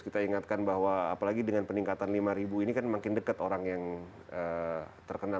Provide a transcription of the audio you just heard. kita ingatkan bahwa apalagi dengan peningkatan lima ini kan makin dekat orang yang terkena